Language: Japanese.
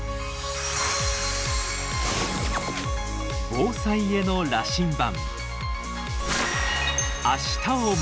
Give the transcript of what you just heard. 防災への羅針盤。